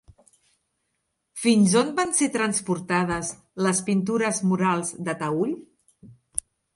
Fins on van ser transportades les pintures murals de Taüll?